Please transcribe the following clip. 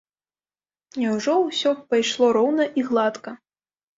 Няўжо ўсё б пайшло роўна і гладка?